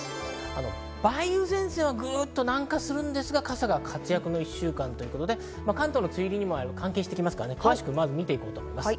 梅雨前線は南下するんですが、傘が活躍の１週間ということで、関東の梅雨入りにも関係しますから詳しくみていきます。